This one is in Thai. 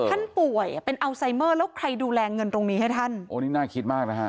ท่านป่วยเป็นอัลไซเมอร์แล้วใครดูแลเงินตรงนี้ให้ท่านโอ้นี่น่าคิดมากนะฮะ